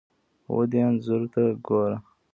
ودې انځور ته ګوره!